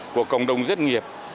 của cộng đồng dân nghiệp